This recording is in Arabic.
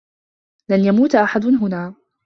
لن يموت أحد هنا.